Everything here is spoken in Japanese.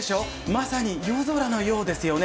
まさに夜空のようですよね。